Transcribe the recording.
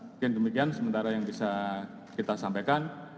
mungkin demikian sementara yang bisa kita sampaikan